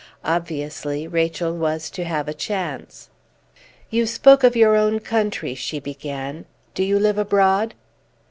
Obviously, Rachel was to have a chance. "You spoke of your own country," she began. "Do you live abroad?"